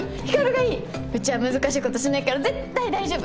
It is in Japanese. うちは難しいことしないから絶対大丈夫！